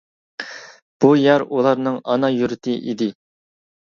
بۇ يەر ئۇلارنىڭ ئانا يۇرتى ئىدى.